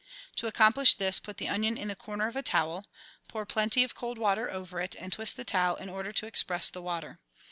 To accomplish this, put the onion in the corner of a towel, pour plenty of cold water over it, and twist the towel in order to express the water.